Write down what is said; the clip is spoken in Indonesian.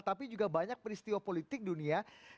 tapi juga banyak peristiwa politik dunia